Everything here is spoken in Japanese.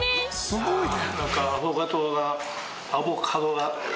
「すごいね！」